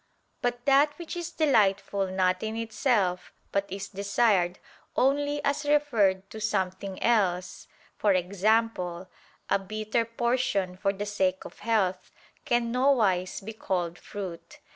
But that which is delightful not in itself, but is desired, only as referred to something else, e.g. a bitter potion for the sake of health, can nowise be called fruit.